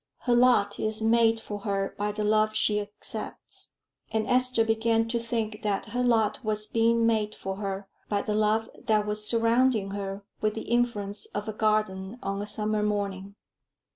Her lot is made for her by the love she accepts. And Esther began to think that her lot was being made for her by the love that was surrounding her with the influence of a garden on a summer morning.